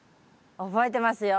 覚えてますよ。